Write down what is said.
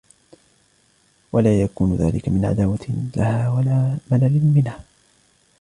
وَلَا يَكُونُ ذَلِكَ مِنْ عَدَاوَةٍ لَهَا وَلَا مَلَلٍ مِنْهَا